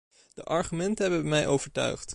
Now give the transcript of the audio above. De argumenten hebben mij overtuigd.